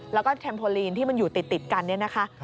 แล้วก็แคมโพลีนที่มันอยู่ติดกันเนี่ยนะคะ